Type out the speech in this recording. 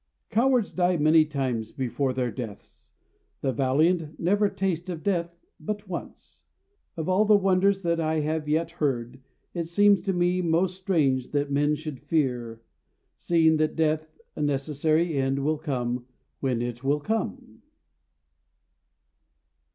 Cowards die many times before their deaths: The valiant never taste of death but once. Of all the wonders that I yet have heard, It seems to me most strange that men should fear; Seeing that death, a necessary end, Will come, when it will come.